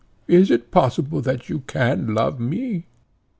Is it possible that you can love me?"